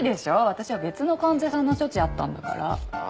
私は別の患者さんの処置あったんだから。